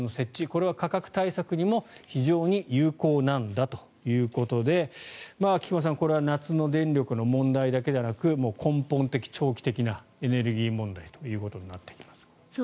これは価格対策にも非常に有効なんだということで菊間さん、これは夏の電力の問題だけではなく根本的、長期的なエネルギー問題となります。